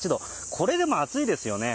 これでも暑いですよね。